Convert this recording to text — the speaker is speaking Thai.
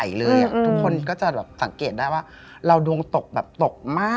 ทุกคนก็จะแบบสังเกตได้ว่าเราดวงตกแบบตกมาก